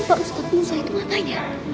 pak ustadz musa itu apa ya